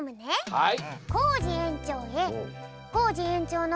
はい。